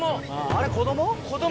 あれ子供？